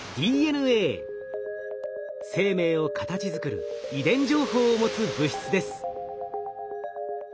生命を形づくる遺伝情報を持つ物質です。